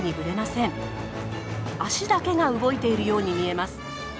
足だけが動いているように見えます。